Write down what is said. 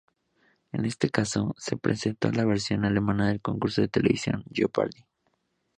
En este caso, se presentó la versión alemana del concurso de televisión Jeopardy!.